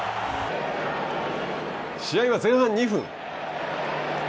試合は前半２分。